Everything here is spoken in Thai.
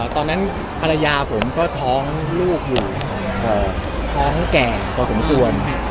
ตอนนั้นภรรยาผมก็ท้องลูกอยู่ท้องแก่พอสมควร